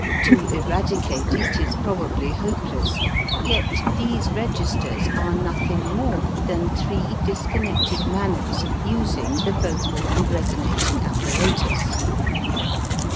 To eradicate it is prob ably hopeless. Yet, these registers are noth ing more than three disconnected manners of using the vocal and resonating apparatus.